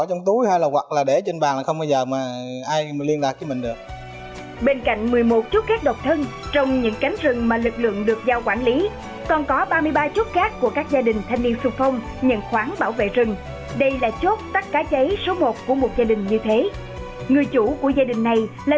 ở nhà là có ba người tham gia giữ dân phòng hộ này